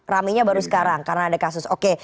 ramenya baru sekarang karena ada kasus oke